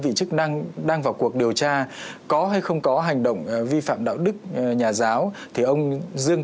vị chức năng đang vào cuộc điều tra có hay không có hành động vi phạm đạo đức nhà giáo thì ông dương